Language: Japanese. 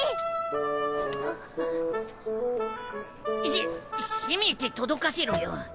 せせめて届かせろよ。